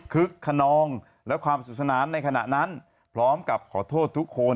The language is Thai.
คนนองและความสุขสนานในขณะนั้นพร้อมกับขอโทษทุกคน